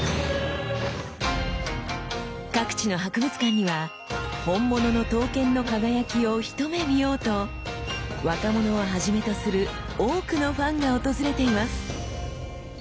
各地の博物館には本物の刀剣の輝きを一目見ようと若者をはじめとする多くのファンが訪れています。